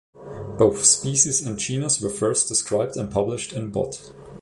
Both species and genus were first described and published in Bot.